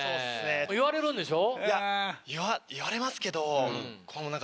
言われるんでしょ？